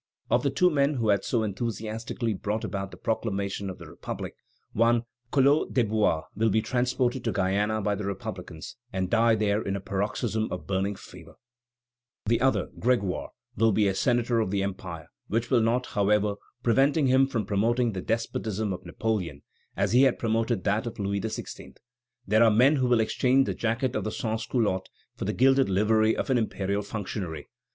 Of the two men who had so enthusiastically brought about the proclamation of the Republic, one, Collot d'Herbois, will be transported to Guiana by the republicans, and die there in a paroxysm of burning fever; the other, Grégoire, will be a senator of the Empire, which will not, however, prevent him from promoting the deposition of Napoleon as he had promoted that of Louis XVI. There are men who will exchange the jacket of the sans culotte for the gilded livery of an imperial functionary.